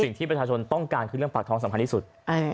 สิ่งที่ประชาชนต้องการคือเรื่องปากท้องสำคัญที่สุด